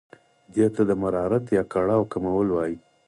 دې ته د مرارت یا کړاو کمول وايي.